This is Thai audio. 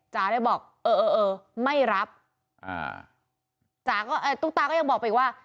เลยบอกเออเออเออไม่รับอ่าจ๋าก็เอ่อตุ๊กตาก็ยังบอกไปอีกว่า